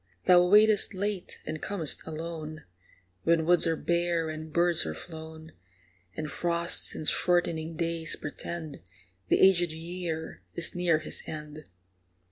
Thou waitest late and com'st alone, When woods are bare and birds are flown, And frosts and shortening days portend The aged year is near his end.